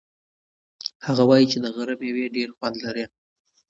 هغه وایي چې د غره مېوې ډېر خوند لري.